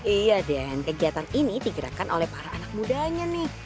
iya den kegiatan ini digerakkan oleh para anak mudanya nih